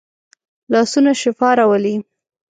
لاسونه شفا راولي